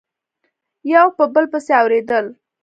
یو په بل پسي اوریدل